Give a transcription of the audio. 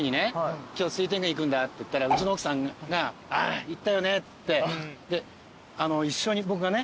今日水天宮行くんだって言ったらうちの奥さんがあっ行ったよねって僕がね